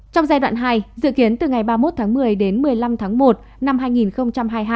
trong giai đoạn hai dự kiến từ ngày ba mươi một tháng một mươi đến một mươi năm tháng một năm hai nghìn hai mươi hai